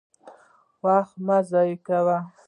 وخت مه ضایع کوئ